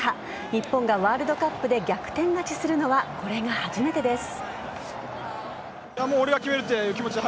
日本がワールドカップで逆転勝ちするのはこれが初めてです。